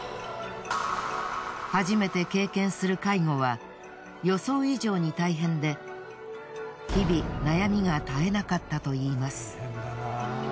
初めて経験する介護は予想以上に大変で日々悩みが絶えなかったといいます。